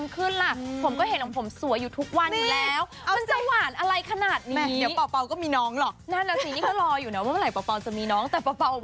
คือจมูกก้าวอะทำมันนานมากละ